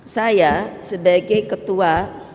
saya sebagai ketua